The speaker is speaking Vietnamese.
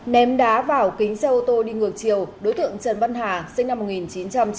ném đá vào kính xe ô tô đi ngược chiều đối tượng trần văn hà sinh năm một nghìn chín trăm chín mươi